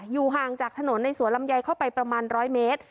ห่างจากถนนในสวนลำไยเข้าไปประมาณ๑๐๐เมตร